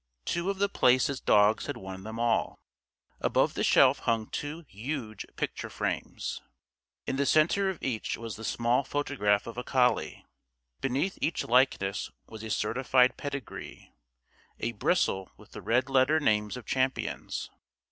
Two of The Place's dogs had won them all. Above the shelf hung two huge picture frames. In the center of each was the small photograph of a collie. Beneath each likeness was a certified pedigree, a bristle with the red letter names of champions.